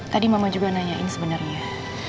tadi mama juga nanyain sebenarnya